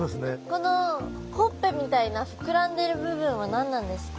このほっぺみたいな膨らんでる部分は何なんですか？